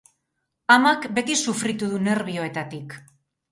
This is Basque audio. Amak beti sufritu du nerbioetatik.